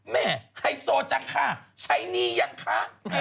แม่ไซโซจึงค่าใช้นี่ยังคะ